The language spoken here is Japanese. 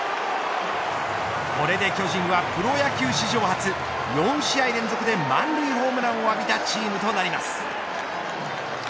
これで巨人はプロ野球史上初４試合連続で満塁ホームランを浴びたチームとなります。